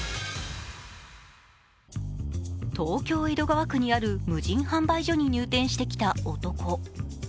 東京・江戸川区にある無人販売所に入店してきた男。